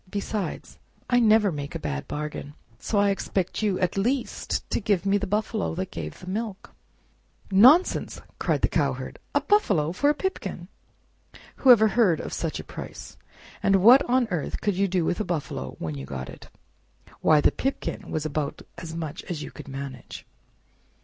Besides, I never make a bad bargain, so I expect you, at least to give me the buffalo that gave the milk." "Nonsense!" cried the Cowherd; "a buffalo for a pipkin! Whoever heard of such a price? And what on earth could you do with a buffalo when you got it? Why, the pipkin was about as much as you could manage."